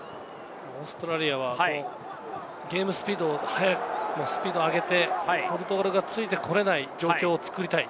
オーストラリアはゲームスピードを上げて、ポルトガルがついて来れない状況を作りたい。